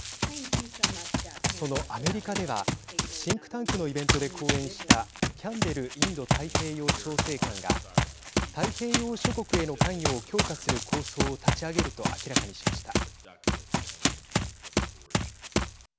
そのアメリカではシンクタンクのイベントで講演したキャンベル・インド太平洋調整官が太平洋諸国への関与を強化する構想を立ち上げると明らかにしました。